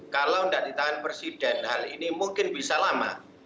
kalau tidak ditahan presiden hal ini mungkin bisa lama